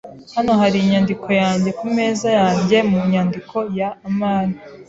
Hano hari inyandiko yanjye ku meza yanjye mu nyandiko ya amani.